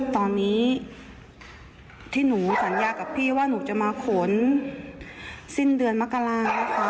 ตอนนี้ที่หนูสัญญากับพี่ว่าหนูจะมาขนสิ้นเดือนมกรานะคะ